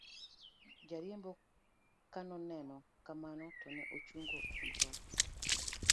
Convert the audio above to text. jariembo kanoneno kamano to ne ochungo mtoka